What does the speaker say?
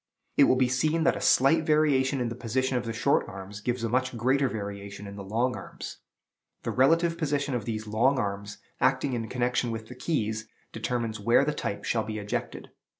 It will be seen that a slight variation in the position of the short arms gives a much greater variation in the long arms. The relative position of these long arms, acting in connection with the keys, determines where the type shall be ejected.